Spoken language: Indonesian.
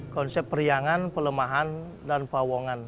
konsep periangan pelemahan dan pawangan